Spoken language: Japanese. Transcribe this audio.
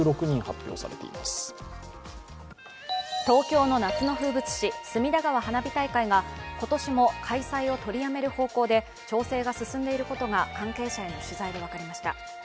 東京の夏の風物詩、隅田川花火大会が今年も開催を取りやめる方向で調整が進んでいることが関係者への取材で分かりました。